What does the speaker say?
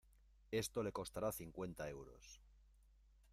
Esto le costará cincuenta euros.